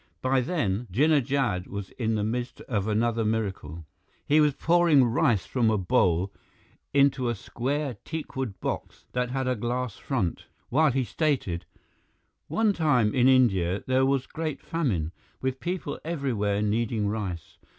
By then, Jinnah Jad was in the midst of another miracle. He was pouring rice from a bowl into a square teakwood box that had a glass front, while he stated: "One time, in India, there was great famine, with people everywhere needing rice.